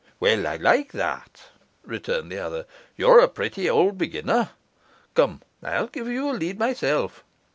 'Well, I like that!' returned the other. 'You're a pretty old beginner. Come, I'll give you a lead myself.